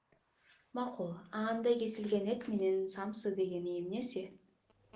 Макул, а анда кесилген эт менен самса дегени эмнеси?